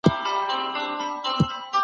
د پوهنتونونو ترمنځ د محصلینو تبادله نه کيده.